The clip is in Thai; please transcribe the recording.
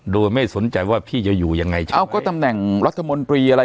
โดยไม่สนใจว่าพี่จะอยู่ยังไงเช้าก็ตำแหน่งรัฐมนตรีอะไร